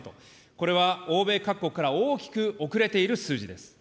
これは欧米各国から大きく遅れている数字です。